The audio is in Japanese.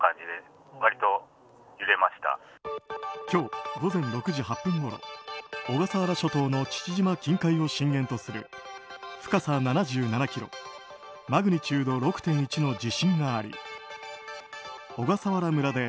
今日、午前６時８分ごろ小笠原諸島の父島近海を震源とする深さ７７ｋｍマグニチュード６．１の